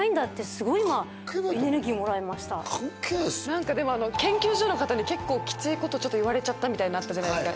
何かでも研究所の方に結構きつい事言われちゃったみたいなんあったじゃないですか。